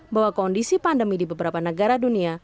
bahwa kondisi pandemi di beberapa negara dunia